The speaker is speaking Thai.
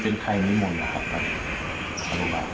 เป็นใครนิมนต์นะครับคุณบ้าง